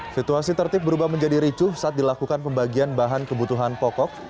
situasi tertib berubah menjadi ricuh saat dilakukan pembagian bahan kebutuhan pokok